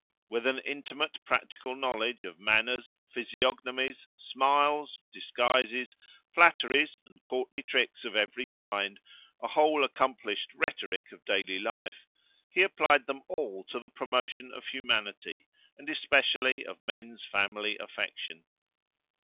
With an intimate practical knowledge of manners, physiognomies, smiles, disguises, flatteries, and courtly tricks of every kind—a whole accomplished rhetoric of daily life—he applied them all to the promotion of humanity, and especially of men's family affection.